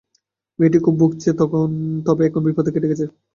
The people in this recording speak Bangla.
মেয়েটি খুব ভুগছে, তবে এখন বিপদ কেটে গেছে।